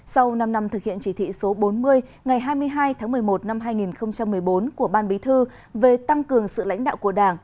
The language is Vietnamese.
sau năm năm thực hiện chỉ thị số bốn mươi ngày hai mươi hai tháng một mươi một năm hai nghìn một mươi bốn của ban bí thư về tăng cường sự lãnh đạo của đảng